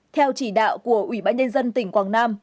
theo chỉ đạo của ủy ban nhân dân tỉnh quảng nam